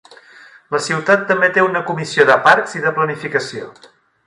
La ciutat també té una comissió de parcs i de planificació.